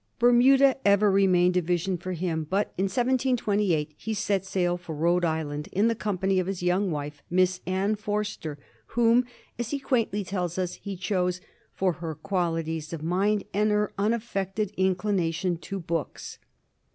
Bermuda ever re mained a vision for him; but in 1728 he set sail for Rhode Island in the company of his young wife, Miss Anne Forster, whom, as he quaintly tells us, he chose " for her qualities of mind and her unaffected inclination to books."